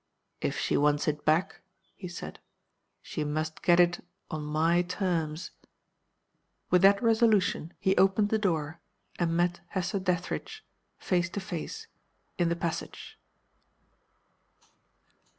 "If she wants it back," he said, "she must get it on my terms." With that resolution, he opened the door, and met Hester Dethridge, face to face, in the passage.